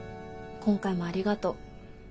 今回もありがとう。